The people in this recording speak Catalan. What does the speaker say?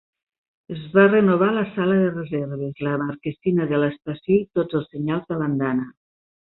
Es va renovar la sala de reserves, la marquesina de l'estació i tots els senyals de l'andana.